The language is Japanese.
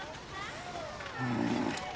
うん。